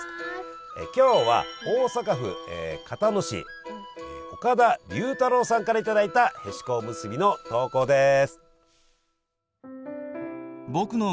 今日は大阪府交野市岡田龍太郎さんから頂いたへしこおむすびの投稿です。